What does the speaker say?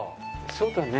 そうだね。